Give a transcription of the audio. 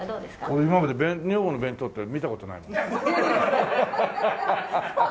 俺今まで女房の弁当って見た事ないもん。